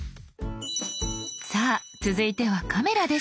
さぁ続いてはカメラです。